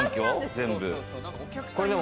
全部。